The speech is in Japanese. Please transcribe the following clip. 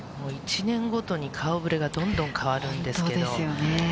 １年ごとに顔ぶれがどんどん変わるんですけど。